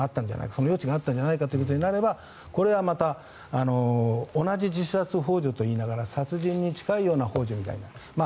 その余地があったんじゃないかということになればこれはまた同じ自殺ほう助といいながら殺人に近いようなほう助というか。